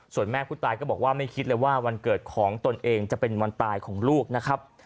ส่วนแม่ผู้ตายก็บอกว่าไม่คิดเลยว่าวันเกิดของตนเองจะเป็นวันตายของลูกนะครับ